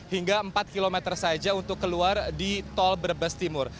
hingga empat km saja untuk keluar di tol brebes timur